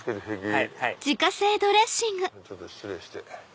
ちょっと失礼して。